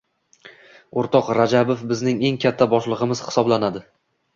O’rtoq Rajabov bizning eng katta boshlig‘imiz hisoblanadi.